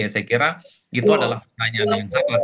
saya kira itu adalah pertanyaan yang jelas